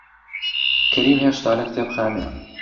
کەریم هێشتا لە کتێبخانەیە.